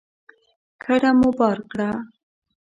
کډه مو بار کړه